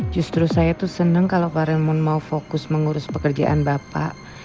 justru saya tuh seneng kalo pak raymond mau fokus mengurus pekerjaan bapak